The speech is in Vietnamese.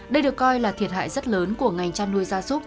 đây được coi là thiệt hại rất lớn của ngành chăn nuôi gia súc